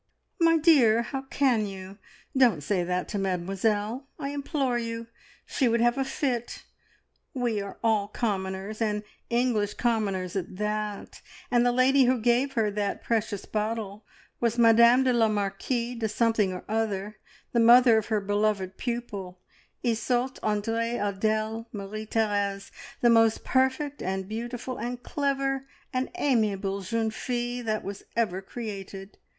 "My dear, how can you? Don't say that to Mademoiselle, I implore you! She would have a fit. We are all commoners, and English commoners at that, and the lady who gave her that precious bottle was Madame la Marquise de Something or Other, the mother of her beloved pupil Isoult Andree Adele Marie Therese the most perfect, and beautiful, and clever, and amiable jeune fille that was ever created!"